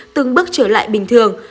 từng bước trở lại bình thường